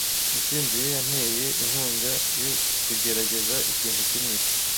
Intsinzi ye yanteye inkunga yo kugerageza ikintu kimwe.